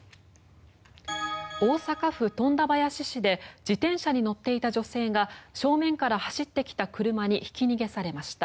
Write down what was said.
大阪府富田林市で自転車に乗っていた女性が正面から走ってきた車にひき逃げされました。